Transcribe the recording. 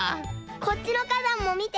こっちのかだんもみて。